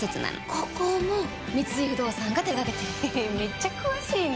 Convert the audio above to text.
ここも三井不動産が手掛けてるのめっちゃ詳しいね！